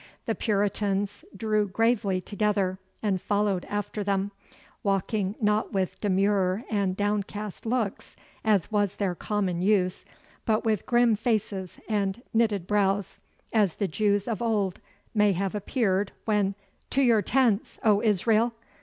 The Puritans drew gravely together and followed after them, walking not with demure and downcast looks, as was their common use, but with grim faces and knitted brows, as the Jews of old may have appeared when, 'To your tents, O Israel!